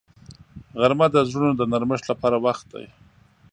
غرمه د زړونو د نرمښت لپاره وخت دی